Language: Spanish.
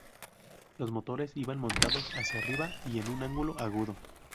Los motores iban montados hacia arriba en un ángulo agudo.